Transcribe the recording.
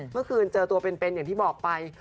เมื่อคืนเจอตัวเป็นอย่างที่บอกไป